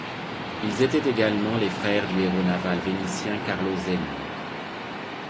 Ils étaient également les frères du héros naval vénitien Carlo Zeno.